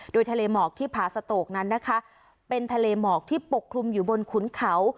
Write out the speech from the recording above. โดยทะเลหมอกที่ผาสโตกนั้นนะคะเป็นทะเลหมอกที่ปกคลุมอยู่บนขุนเขา